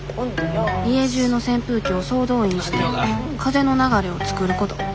家じゅうの扇風機を総動員して風の流れを作ること